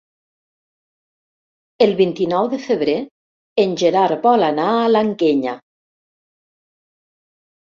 El vint-i-nou de febrer en Gerard vol anar a l'Alguenya.